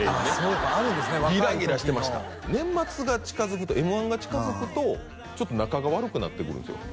若い時のギラギラしてました年末が近づくとＭ−１が近づくとちょっと仲が悪くなってくるんですよ